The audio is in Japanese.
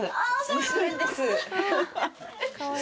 娘です。